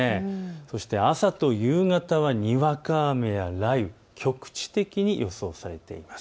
そして朝と夕方は、にわか雨や雷雨、局地的に予想されています。